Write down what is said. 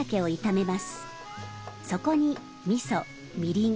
そこにみそみりん